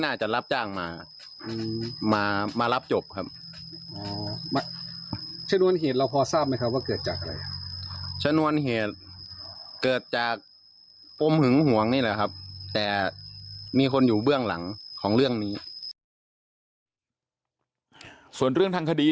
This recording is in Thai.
น่าจะรับจ้างมามารับจบครับนะเพราะเกิดจากประจำทางคดี